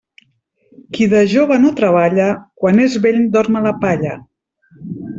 Qui de jove no treballa, quan és vell dorm a la palla.